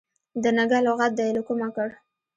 د نږه لغت دي له کومه کړ.